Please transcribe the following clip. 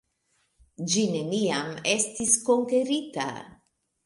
Ĝi neniam estis konkerita.